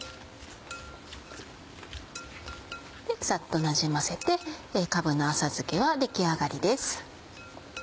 サッとなじませてかぶの浅漬けは出来上がりです。